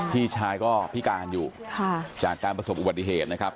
พี่ชายก็พิการอยู่จากการประสบอุบัติเหตุนะครับ